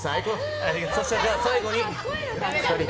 そうしたら、最後に２人で。